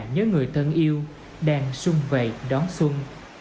nhớ người thân yêu đang sung vầy đón xuân